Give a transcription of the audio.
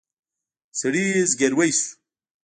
سړي زګېروی شو.